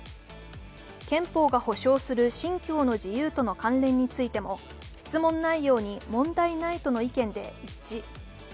憲法が保障する信教の自由との関連についても質問内容に問題ないとの意見で一致。